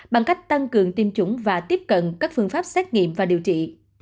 bằng cách tăng cường tiêm chủng và tiếp cận các phương pháp xét nghiệm và điều trị